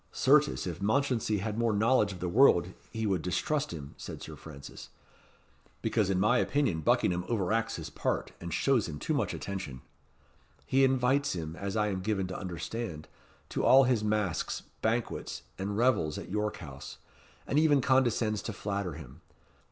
"Certes, if Mounchensey had more knowledge of the world he would distrust him," said Sir Francis, "because in my opinion Buckingham overacts his part, and shows him too much attention. He invites him, as I am given to understand, to all his masques, banquets, and revels at York House, and even condescends to flatter him.